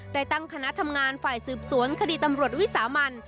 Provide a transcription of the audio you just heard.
ได้ตั้งคณะทำงานฝ่ายสืบสวนคดีตำรวจวิสามัน